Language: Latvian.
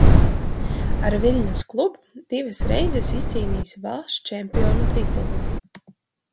Ar Viļņas klubu divas reizes izcīnījis valsts čempionu titulu.